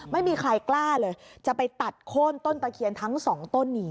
ไม่มีใครกล้าเลยจะไปตัดโค้นต้นตะเคียนทั้งสองต้นนี้